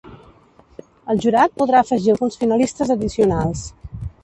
El jurat podrà afegir alguns finalistes addicionals.